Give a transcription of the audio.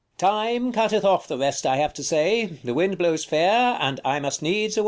Time cutteth off the rest I have to say : The wind blows fair, and I must needs away.